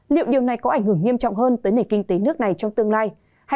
liệu điều này có ảnh hưởng nghiêm trọng hơn tới nền kinh tế nước này trong tương lai